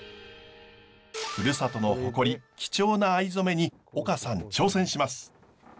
ふるさとの誇り貴重な藍染めに丘さん挑戦します。